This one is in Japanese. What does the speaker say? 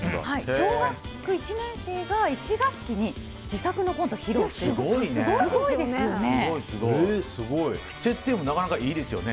小学１年生が１学期に自作のコントを披露するって、すごいですよね。